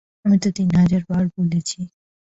আমি তো তিন হাজার বার বলেছি।